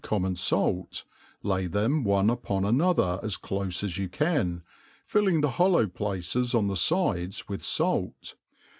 common fait, lay them one upon another as clofe as you can, filling the hollow places on the fides with fait.